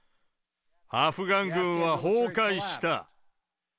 アフガン軍は崩壊した。